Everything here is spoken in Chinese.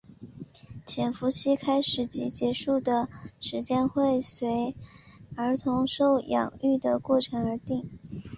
潜伏期开始及结束的时间会随儿童受养育的过程而定。